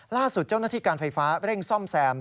ล่าสุดเจ้าหน้าที่การไฟฟ้าเร่งซ่อมแซม